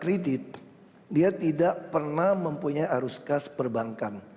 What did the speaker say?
kredit dia tidak pernah mempunyai arus kas perbankan